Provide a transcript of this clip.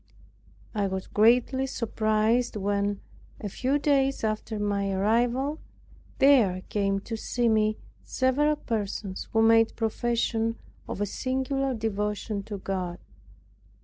I was greatly surprised when, a few days after my arrival, there came to see me several persons who made profession of a singular devotion to God.